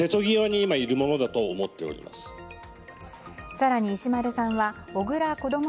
更に石丸さんは小倉こども